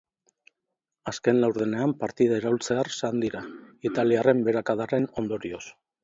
Azken laurdenean partida iraultzear zan dira, italiarren beherakadaren ondorioz.